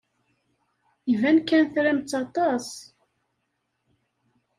Iban kan tram-tt aṭas.